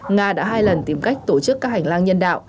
nga đã hai lần tìm cách tổ chức các hành lang nhân đạo